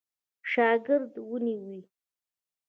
شاګرد ونیوی.